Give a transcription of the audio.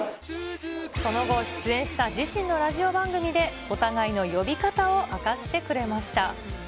その後、出演した自身のラジオ番組でお互いの呼び方を明かしてくれました。